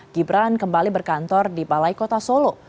gibran kembali berkantor di balai kota solo